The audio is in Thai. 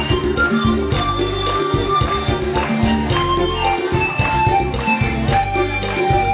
อาตีนหน่อยของเตีย